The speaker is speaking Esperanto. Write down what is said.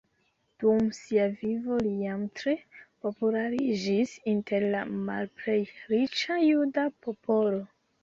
Dum sia vivo li jam tre populariĝis inter la malplej riĉa juda popolo.